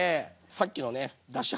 さっきのねだし